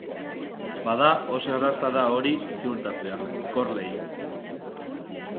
Bada, oso erraza da hori ziurtatzea, Corley.